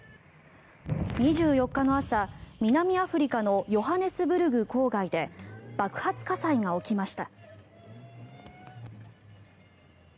２４日の朝、南アフリカのヨハネスブルク郊外で爆発火災が起きました。